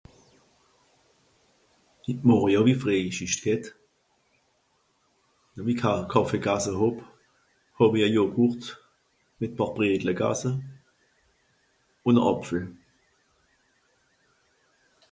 hit morje hàw'isch freischischt g'hett do hàwi ka kàffe gasse hàb hàwi à joghurt mìt pàar bredle gasse ùn à àpfel